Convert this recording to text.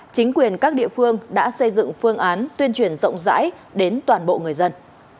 chính quyền các địa phương đã xây dựng phương án tuyên truyền rộng rãi đến toàn bộ người dân